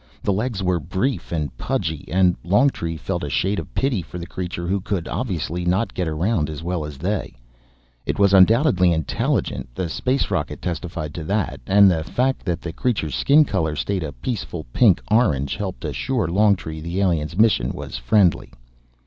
The legs were brief and pudgy, and Longtree felt a shade of pity for the creature who could obviously not get around as well as they. It was undoubtedly intelligent the space rocket testified to that and the fact that the creature's skin color stayed a peaceful pink orange helped assure Longtree the alien's mission was friendly.